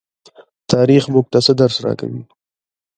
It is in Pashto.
تاریخ موږ ته څه درس راکوي؟